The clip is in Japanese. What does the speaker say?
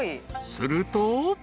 ［すると］